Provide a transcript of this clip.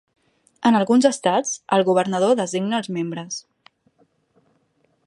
En alguns estats, el governador designa els membres.